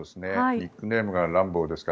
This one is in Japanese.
ニックネームがランボーですか。